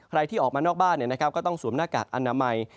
ที่ออกมานอกบ้านก็ต้องสวมหน้ากากอนามัย